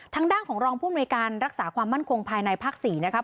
ทางด้านของรองผู้อำนวยการรักษาความมั่นคงภายในภาค๔นะครับ